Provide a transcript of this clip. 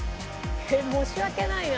申し訳ないな。